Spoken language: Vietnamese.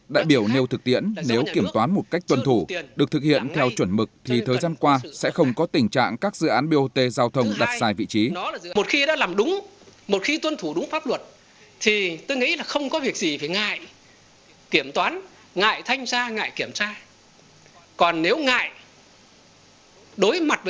đại biểu nêu thực tiễn nếu kiểm toán một cách tuân thủ được thực hiện theo chuẩn mực thì thời gian qua sẽ không có tình trạng các dự án bot giao thông đặt sai vị trí